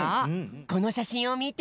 このしゃしんをみて。